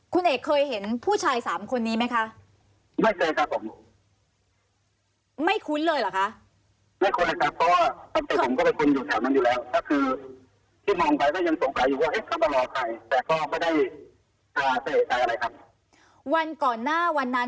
คุณเอกเคยเห็นผู้ชายสามคนนี้ไหมคะ